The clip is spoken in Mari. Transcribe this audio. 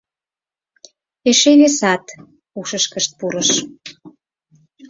Эше весат ушышкышт пурыш.